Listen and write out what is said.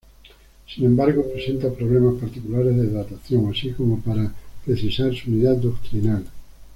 Sin embargo presenta problemas particulares de datación, así como para precisar su unidad doctrinal.